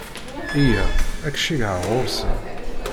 Yya, ad k-ceggɛeɣ ɣur-sen.